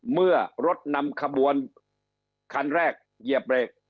เมื่อรถนำขบวนคันแรกเย็บไป